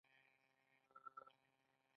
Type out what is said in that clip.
د معینې مودې په پای ته رسېدو سره پیسې اخلي